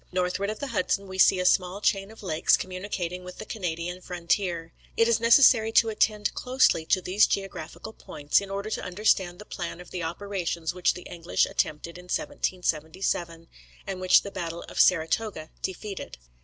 Northward of the Hudson, we see a small chain of lakes communicating with the Canadian frontier. It is necessary to attend closely to these geographical points, in order to understand the plan of the operations which the English attempted in 1777, and which the battle of Saratoga defeated.